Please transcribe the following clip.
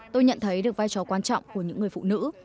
tôi nhận thấy được vai trò quan trọng của những người phụ nữ